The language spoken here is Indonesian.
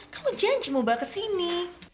kan lu janji mau balik ke sini